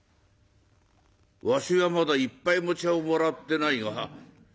「わしはまだ一杯も茶をもらってないが。